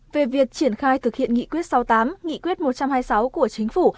về việc triển khai thực hiện nghị quyết sáu mươi tám nghị quyết một trăm hai mươi sáu của chính phủ